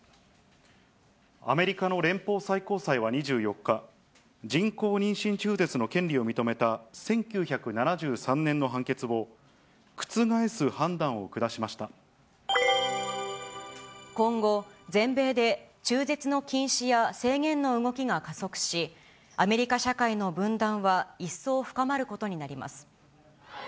アメリカの連邦最高裁は２４日、人工妊娠中絶の権利を認めた１９７３年の判決を覆す判断を下今後、全米で中絶の禁止や制限の動きが加速し、アメリカ社会の分断は一層深まることになります。